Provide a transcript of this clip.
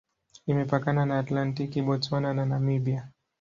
Imepakana na Atlantiki, Botswana na Namibia.